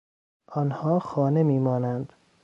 آنها خانه میمانند.